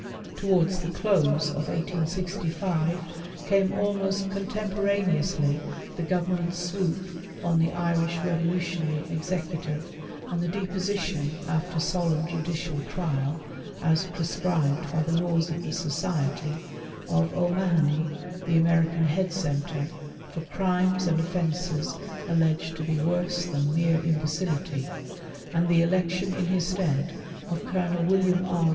" Towards the close of 1865 came almost contempora " neously the Government swoop on the Irish Revolutionary " executive, and the deposition — after solemn judicial trial, as " prescribed by the laws of the society — of O'Mahony, the " American ' Head Centre,' for crimes and offences alleged to " be worse than mere imbecility, and the election in his stead of " Colonel William R.